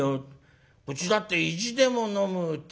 うちだって意地でも飲むって。